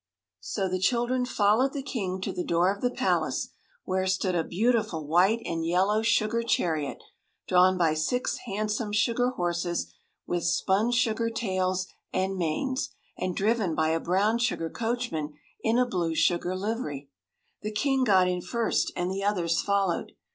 So the children followed the king to the door of the palace, where stood a beautiful white and yellow sugar chariot, drawn by six handsome sugar horses with spun sugar tails and manes, and driven by a brown sugar coachman in a blue sugar livery. The king got in first, and the others followed.